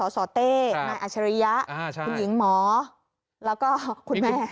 สสเต้นาอัชริยะคุณหญิงหมอแล้วก็คุณแม่